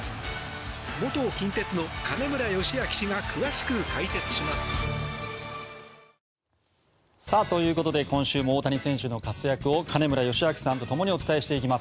元近鉄の金村義明氏が詳しく解説します。ということで今週も大谷選手の活躍を金村義明さんとともにお伝えしていきます。